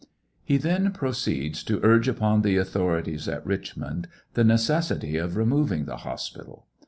He then proceeds to urge upon the authorities at Richmond the necessity of removing the hospital.